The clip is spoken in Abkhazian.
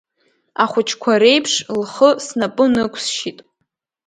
Ахәыҷқәа реиԥш, лхы снапы нықәсшьит.